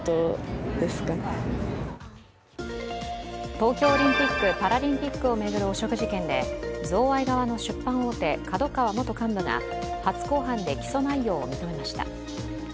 東京オリンピック・パラリンピックを巡る汚職事件で贈賄側の出版大手ＫＡＤＯＫＡＷＡ元幹部が初公判で起訴内容を認めました。